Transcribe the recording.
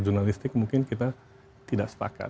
jurnalistik mungkin kita tidak sepakat